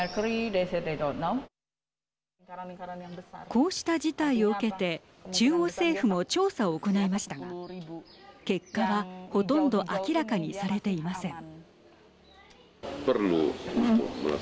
こうした事態を受けて中央政府も調査を行いましたが結果は、ほとんど明らかにされていません。